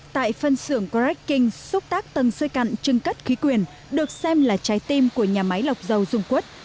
tại phân xưởng correct king xúc tác tầng xơi cặn trưng cất khí quyền được xem là trái tim của nhà máy lọc dầu dung quốc